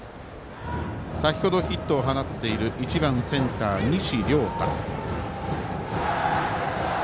先ほど、ヒットを放っている１番センター、西稜太。